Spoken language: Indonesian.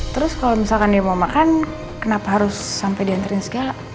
terus kalau misalkan dia mau makan kenapa harus sampai diantarin segala